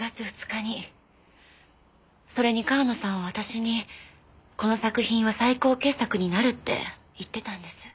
それに川野さんは私にこの作品は最高傑作になるって言ってたんです。